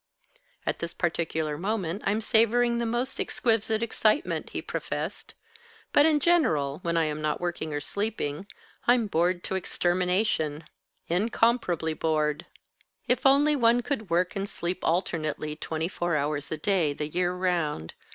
"At this particular moment I'm savouring the most exquisite excitement," he professed. "But in general, when I am not working or sleeping, I'm bored to extermination incomparably bored. If only one could work and sleep alternately, twenty four hours a day, the year round!